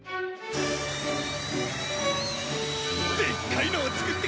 でっかいのを作ってくれよ！